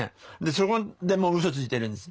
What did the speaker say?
そこでもうウソついてるんです。